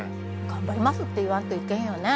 「頑張ります」って言わんといけんよね。